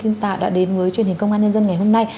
kinh tạo đã đến với truyền hình công an nhân dân ngày hôm nay